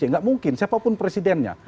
tidak mungkin siapapun presidennya